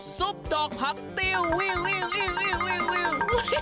ซุปดอกผักตี้ยูวิววิว